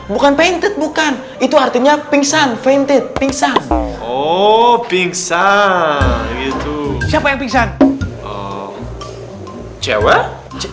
bukan vintage bukan itu artinya pingsan vintage pingsan oh pingsan siapa yang pingsan cewek